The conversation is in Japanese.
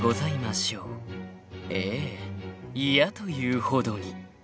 ［ええ嫌というほどに］